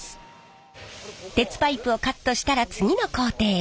鉄パイプをカットしたら次の工程へ。